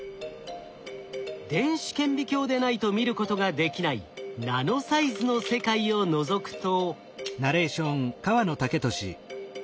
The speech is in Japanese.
電子顕微鏡でないと見ることができないナノサイズの世界をのぞくと。